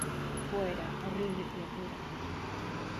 ¡ Fuera, horrible criatura!